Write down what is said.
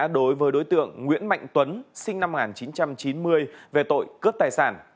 đối với đối tượng nguyễn mạnh tuấn sinh năm một nghìn chín trăm chín mươi về tội cướp tài sản